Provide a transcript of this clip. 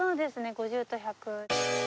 ５０と１００。